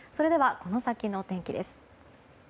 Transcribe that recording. この先の天気です。